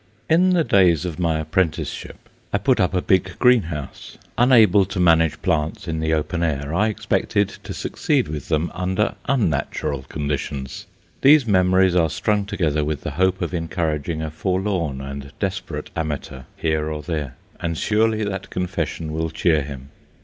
In the days of my apprenticeship I put up a big greenhouse: unable to manage plants in the open air, I expected to succeed with them under unnatural conditions! These memories are strung together with the hope of encouraging a forlorn and desperate amateur here or there; and surely that confession will cheer him.